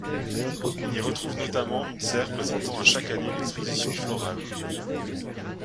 On y retrouve notamment une serre présentant à chaque année une exposition florale.